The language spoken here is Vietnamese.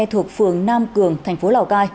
thuộc phường nam cường thành phố lào cai